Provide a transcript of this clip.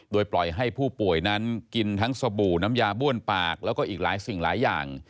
โดยปล่อยให้ผู้ป่วยนั้นกินทั้งสบู่น้ำยาบ้วนปากแล้วก็อีกหลายสิ่งหลายอย่าง